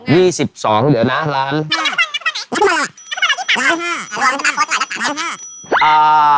๒๒เนี่ย๒๒เดี๋ยวนะ